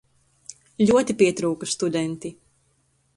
Ļoti pietrūka studenti.